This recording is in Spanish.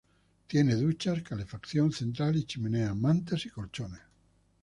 Tiene duchas, calefacción central y chimenea, mantas y colchones.